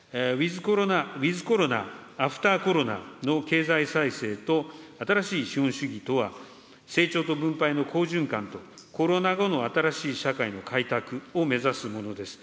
ウィズコロナ・アフターコロナの経済再生と新しい資本主義とは、成長と分配の好循環と、コロナ後の新しい社会の改革を目指すものです。